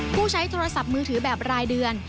ผู้ใช้โทรศัพท์มือถือแบบรายเดือน